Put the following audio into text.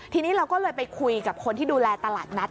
ทีนี้เราก็เลยไปคุยกับคนที่ดูแลตลาดนัด